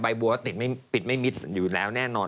บัวก็ติดไม่มิดอยู่แล้วแน่นอน